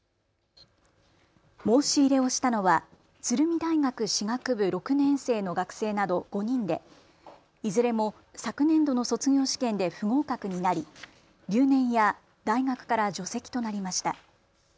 申し入れをしたのは鶴見大学歯学部６年生の学生など５人でいずれも昨年度の卒業試験で不合格になり、留年や大学から除籍となりました。